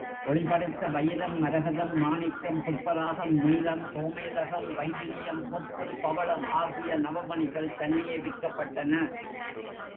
ஒளிபடைத்த வயிரம், மரகதம், மாணிக்கம், புட்பராகம், நீலம், கோமேதகம், வைடுரியம், முத்து, பவளம் ஆகிய நவமணிகள் தனியே விற்கப்பட்டன.